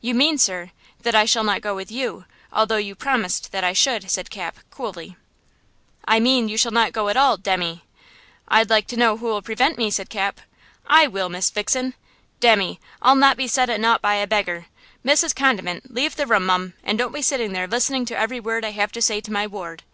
"You mean, sir, that I shall not go with you, although you promised that I should," said Cap, coolly. "I mean you shall not go at all, demmy!" "I'd like to know who'll prevent me," said Cap. "I will, Miss Vixen! Demmy, I'll not be set at naught by a beggar! Mrs. Condiment, leave the room, mum, and don't be sitting there listening to every word I have to say to my ward.